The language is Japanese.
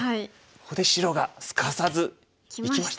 ここで白がすかさずいきました。